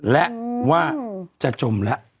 และว่าจะจมแล้ว